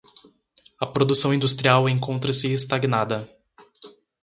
A produção industrial encontra-se estagnada